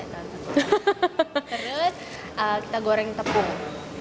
terus kita goreng tepung